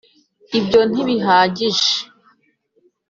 ibyo ntibihagije.